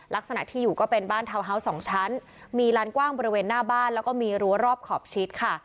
ลักษณะที่อยู่ก็เป็นบ้านทาวน์ฮาวส์๒ชั้นมีลานกว้างบริเวณหน้าบ้านแล้วก็มีรั้วรอบขอบชิดค่ะ